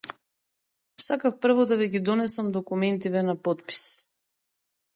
Сакав прво да ви ги донесам документиве на потпис.